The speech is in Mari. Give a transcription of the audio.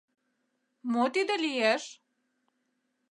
— Мо тиде лиеш?